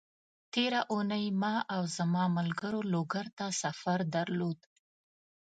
تېره اونۍ ما او زما ملګرو لوګر ته سفر درلود،